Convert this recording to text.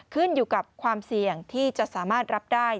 ขึ้นอยู่กับความเสี่ยงที่จะสามารถรับได้